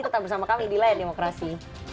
tetap bersama kami di layar demokrasi